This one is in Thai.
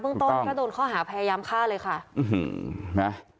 เบื้องต้นถ้าโดนข้อหาพยายามฆ่าเลยค่ะ